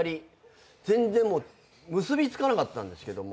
全然もう結び付かなかったんですけども。